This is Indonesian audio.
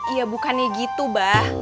iya bukannya gitu ba